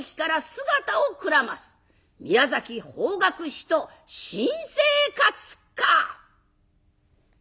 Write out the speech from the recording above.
宮崎法学士と新生活か」。